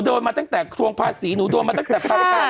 โดนมาตั้งแต่ทวงภาษีหนูโดนมาตั้งแต่ภาระการ